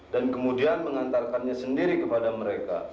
dan kemudian mengantarkannya sendiri kepada mereka